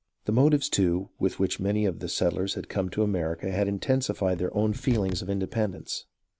The motives, too, with which many of the settlers had come to America had intensified their own feeling of inde pendence.